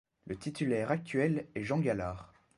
Le titulaire actuel est Jean Galard.